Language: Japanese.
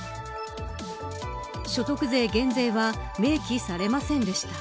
所得税減税は明記されませんでした。